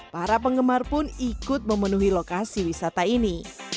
para penggemar pun ikut memenuhi lokasi wisata ini